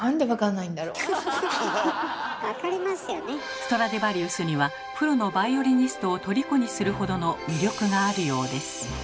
ストラディヴァリウスにはプロのバイオリニストをとりこにするほどの魅力があるようです。